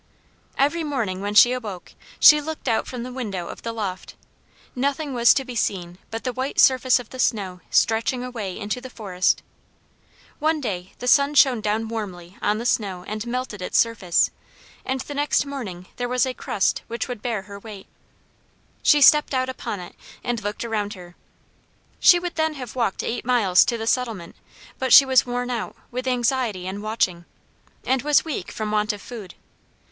Every morning when she awoke, she looked out from the window of the loft. Nothing was to be seen but the white surface of the snow stretching away into the forest. One day the sun shone down warmly on the snow and melted its surface, and the next morning there was a crust which would bear her weight. She stepped out upon it and looked around her. She would then have walked eight miles to the settlement but she was worn out with anxiety and watching, and was weak from want of food.